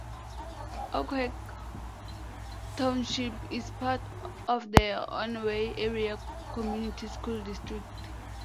Ocqueoc Township is part of the Onaway Area Community School district.